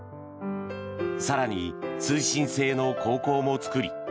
更に、通信制の高校も作り